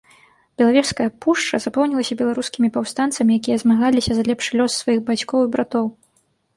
Белавежская пушча запоўнілася беларускімі паўстанцамі, якія змагаліся за лепшы лёс сваіх бацькоў і братоў.